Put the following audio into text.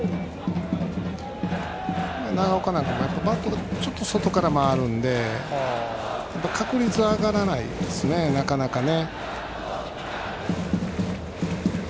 長岡なんてちょっとバットが外から回るので確率が上がらないですよねなかなかね。